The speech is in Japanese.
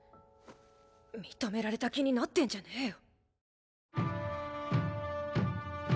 認められた気になってんじゃねぇよ。